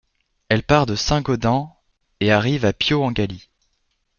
Elle part de Saint-Gaudens et arrive à Piau-Engaly.